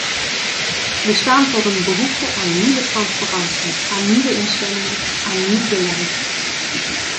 Wij staan voor een behoefte aan nieuwe transparantie, aan nieuwe instellingen, aan nieuw beleid.